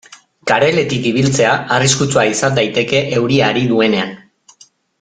Kareletik ibiltzea arriskutsua izan daiteke euria ari duenean.